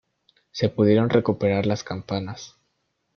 Se pudieron recuperar las campanas.